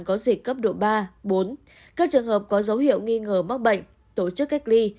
có dịch cấp độ ba bốn các trường hợp có dấu hiệu nghi ngờ mắc bệnh tổ chức cách ly